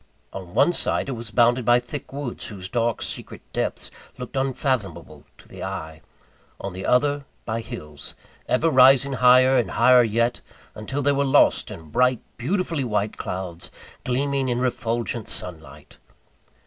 On one side, it was bounded by thick woods, whose dark secret depths looked unfathomable to the eye: on the other, by hills, ever rising higher and higher yet, until they were lost in bright, beautifully white clouds, gleaming in refulgent sunlight.